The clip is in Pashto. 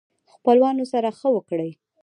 خپلوانو سره ښه وکړئ